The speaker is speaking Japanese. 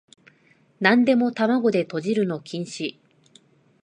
なんでも玉子でとじるの禁止